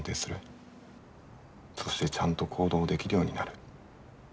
そしてちゃんと行動できるようになる。